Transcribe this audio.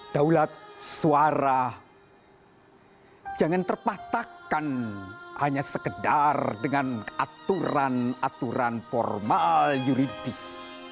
daulat suara jangan terpatahkan hanya sekedar dengan aturan aturan formal yuridis